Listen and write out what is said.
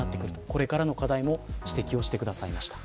これからの課題も指摘してくださいました。